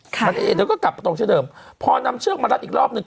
มันเอเธอก็กลับมาตรงเช่นเดิมพอนำเชือกมารัดอีกรอบหนึ่ง